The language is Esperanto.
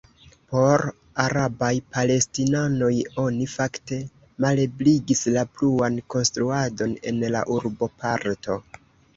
Por arabaj palestinanoj oni fakte malebligis la pluan konstruadon en la urboparto.